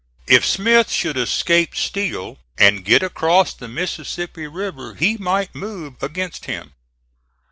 If Smith should escape Steele, and get across the Mississippi River, he might move against him.